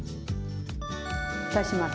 ふたします